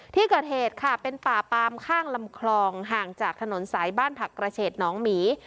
ที่เกิดเหตุค่ะเป็นป่าปามข้างลำคลองห่างจากถนนสายบ้านผักกระเฉดน้องหมี